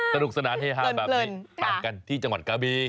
สนุกสนานเทศาสตร์แบบนี้ไปกันที่จังหวันกะบี